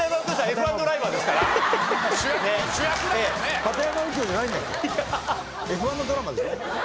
Ｆ１のドラマでしょ？